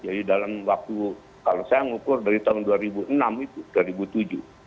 jadi dalam waktu kalau saya ngukur dari tahun dua ribu enam itu dua ribu tujuh